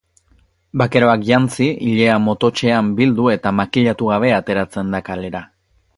Bakeroak jantzi, ilea mototsean bildu eta makilatu gabe ateratzen da kalera.